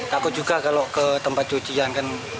takut juga kalau ke tempat cucian kan